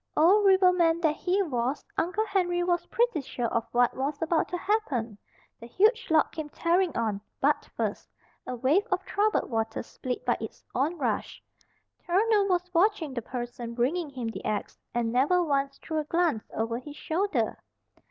Old riverman that he was, Uncle Henry was pretty sure of what was about to happen. The huge log came tearing on, butt first, a wave of troubled water split by its on rush. Turner was watching the person bringing him the axe, and never once threw a glance over his shoulder.